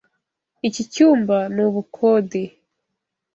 Iki cyumba ni ubukode.